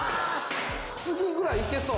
次ぐらいいけそう。